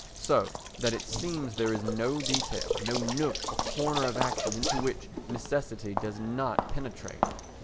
So that it seems there is no detail, no nook or corner of action, into which necessity does not penetrate.